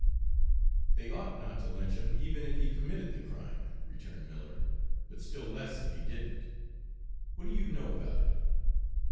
"They ought not to lynch him, even if he committed the crime," returned Miller, "but still less if he didn't. What do you know about it?"